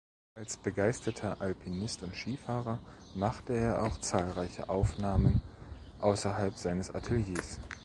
Als begeisterter Alpinist und Skifahrer machte er auch zahlreiche Aufnahmen außerhalb seines Ateliers.